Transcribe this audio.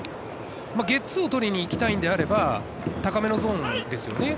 ゲッツーを取りに行きたいのであれば、高めなんですよね。